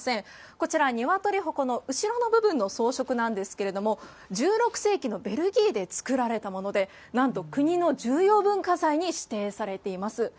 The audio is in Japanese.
こちら、鶏鉾の後ろの部分の装飾なんですけれども、１６世紀のベルギーで作られたもので、なんと国の重要文化財に指定されています。